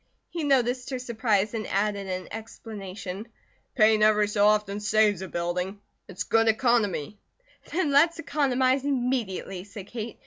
He noticed her surprise and added in explanation: "Paint every so often saves a building. It's good economy." "Then let's economize immediately," said Kate.